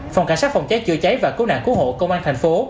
phòng cảnh sát phòng trái chữa trái và cứu nạn cứu hộ công an tp hcm